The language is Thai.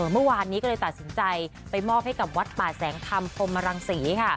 เมื่อวานนี้ก็เลยตัดสินใจไปมอบให้กับวัดป่าแสงธรรมพรมรังศรีค่ะ